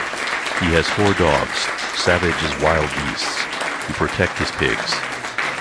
He has four dogs, 'savage as wild beasts,' who protect his pigs.